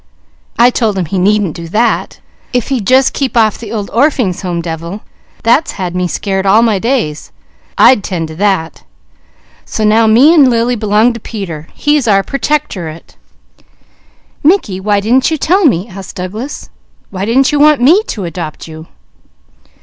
I told him he needn't do that, if he'd just keep off the old Orphings' Home devil, that's had me scared stiff all my days, I'd tend to that, so now me and Lily belong to Peter; he's our Pertectorate." "Mickey, why didn't you tell me?" asked Douglas. "Why didn't you want me to adopt you?"